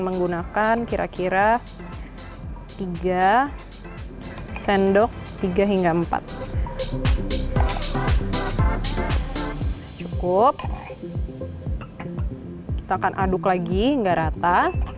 menggunakan kira kira tiga sendok tiga hingga empat cukup kita akan aduk lagi enggak rata